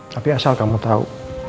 tapi asal kamu tahu